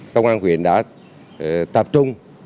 công an huyện đã tập trung